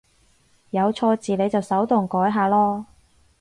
有錯字你就手動改下囉